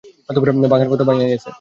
ভাঙার কথা, ভাইঙা গেসে।